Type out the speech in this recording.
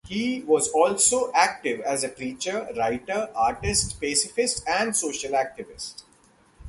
He was also active as a preacher, writer, artist, pacifist and social activist.